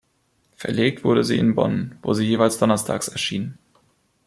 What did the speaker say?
Verlegt wurde sie in Bonn, wo sie jeweils donnerstags erschien.